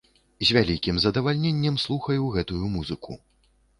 З вялікім задавальненнем слухаю гэтую музыку.